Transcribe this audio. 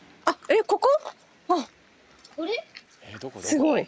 すごい。